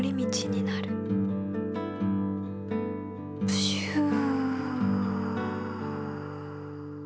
プシュー。